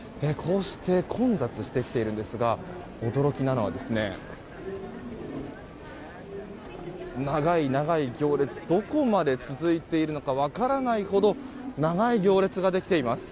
混雑してきているんですが驚きなのは長い長い行列どこまで続いているのか分からないほど長い行列ができています。